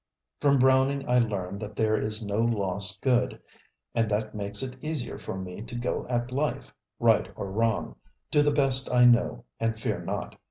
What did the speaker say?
From Browning I learn that there is no lost good, and that makes it easier for me to go at life, right or wrong, do the best I know, and fear not.